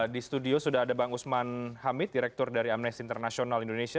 di studio sudah ada bang usman hamid direktur dari amnesty international indonesia